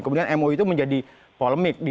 kemudian mou itu menjadi polemik di dua ribu dua belas